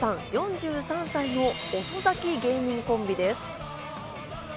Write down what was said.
４３歳の遅咲き芸人コンビです。